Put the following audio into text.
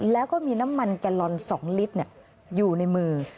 แล้วก็มีน้ำมันแกลลอน๒ลิตรอยู่ในมือ